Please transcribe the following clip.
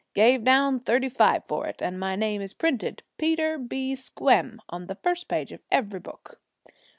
Gave down thirty five for it, and my name is printed Peter B. Squem on the first page of every book.